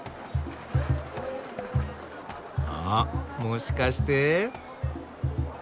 あもしかして？